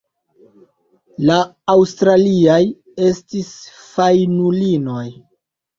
La aŭstraliaj estis fajnulinoj.